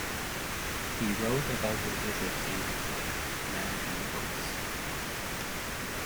He wrote about his visit in his book, "American Notes".